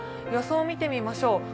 予想を見てみましょう。